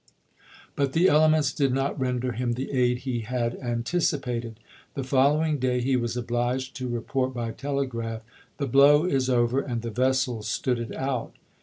But the elements did not render him the aid he Braffgto had anticipated. The following day he was obliged AprKi86i. to report by telegraph, " The blow is over and the I.', V. 457? ■ vessels stood it out."